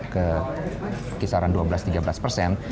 ke kisaran dua belas tiga belas persen